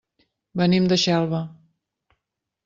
Venim de Xelva.